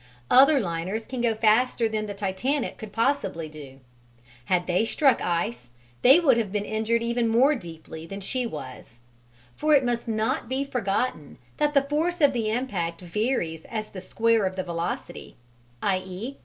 Other liners can go faster than the Titanic could possibly do; had they struck ice they would have been injured even more deeply than she was, for it must not be forgotten that the force of impact varies as the square of the velocity i.e.